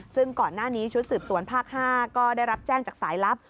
ซึ่งก่อนหน้านี้ชุดสืบสวนภาค๕ก็ได้รับแจ้งจากสายลับ